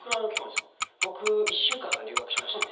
僕１週間留学しましたね。